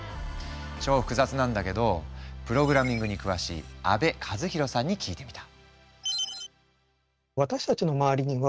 超複雑なんだけどプログラミングに詳しい阿部和広さんに聞いてみた。